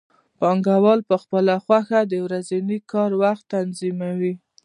پانګوال په خپله خوښه د ورځني کار وخت تنظیموي